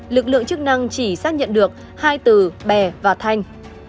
lực lượng chức năng chỉ xác nhận được hai từ bè và thanh